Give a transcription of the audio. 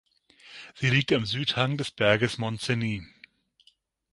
Sie liegt am Südhang des Berges Montseny.